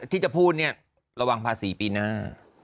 ที่จะพูดเนี่ยระวังภาษีปีหน้า